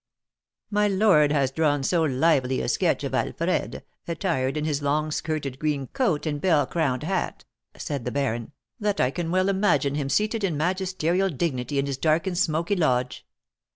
"My lord has drawn so lively a sketch of Alfred, attired in his long skirted green coat and bell crowned hat," said the baron, "that I can well imagine him seated in magisterial dignity in his dark and smoky lodge.